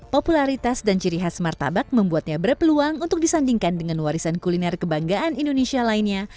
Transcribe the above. popularitas dan ciri khas martabak membuatnya berpeluang untuk disandingkan dengan warisan kuliner kebanggaan indonesia lainnya